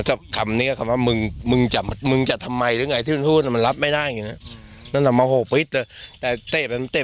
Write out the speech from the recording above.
โถนี่ก็จะล้มอยู่แล้วเนี่ย